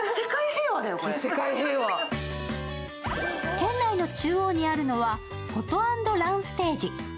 店内の中央にあるのは、フォト＆ランステージ。